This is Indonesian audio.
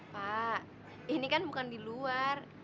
pak ini kan bukan di luar